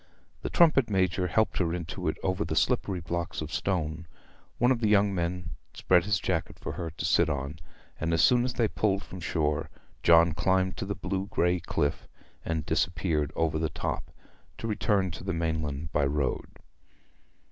The trumpet major helped her into it over the slippery blocks of stone, one of the young men spread his jacket for her to sit on, and as soon as they pulled from shore John climbed up the blue grey cliff, and disappeared over the top, to return to the mainland by road.